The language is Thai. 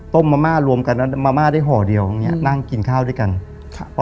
ต้มมะม่ารวมกันมะม่าได้ห่อเดียวอย่างเงี้ยนั่งกินข้าวด้วยกันค่ะ